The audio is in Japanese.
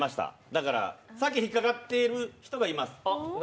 だから、先に引っ掛かってる人がいます。